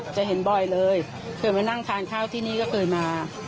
จะเห็นบ่อยเลยเคยมานั่งทานข้าวที่นี่ก็เคยมา